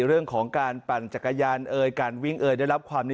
เรื่องของการปั่นจักรยาน